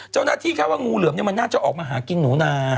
เจ้าหน้าที่คาดว่างูเหลือมมันน่าจะออกมาหากินหนูนา